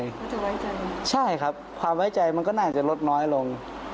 เขาจะไว้ใจใช่ครับความไว้ใจมันก็น่าจะลดน้อยลง